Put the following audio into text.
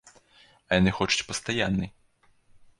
А яны хочуць пастаяннай.